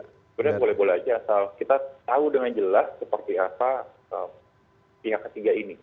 sebenarnya boleh boleh aja asal kita tahu dengan jelas seperti apa pihak ketiga ini